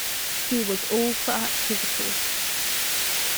He was all for activity.